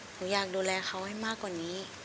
หนูอยากดูแลเขาให้มากกว่านี้